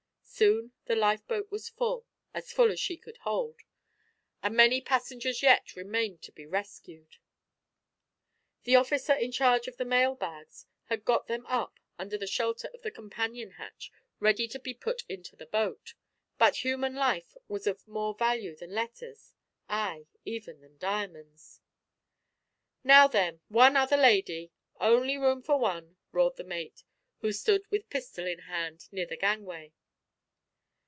Soon the lifeboat was full as full as she could hold and many passengers yet remained to be rescued. The officer in charge of the mail bags had got them up under the shelter of the companion hatch ready to be put into the boat, but human life was of more value than letters ay, even than diamonds. "Now, then, one other lady. Only room for one," roared the mate, who stood with pistol in hand near the gangway.